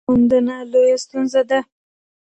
بازار موندنه لویه ستونزه ده.